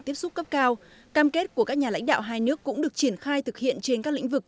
tiếp xúc cấp cao cam kết của các nhà lãnh đạo hai nước cũng được triển khai thực hiện trên các lĩnh vực